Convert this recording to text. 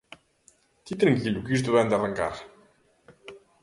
Ti tranquilo que isto vén de arrancar